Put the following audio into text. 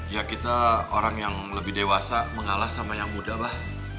ya kita orang yang lebih dewasa mengalah sama yang muda bah